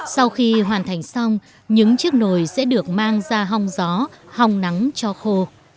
sau khi hoàn thành xong những chiếc nồi sẽ được mang ra hong gió hong nắng cho khô